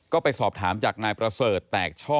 ก็ไปสอบถามจากนายประเสริฐแตกช่อ